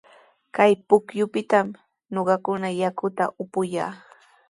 Kay pukyupitami ñuqakuna yakuta upuyaa.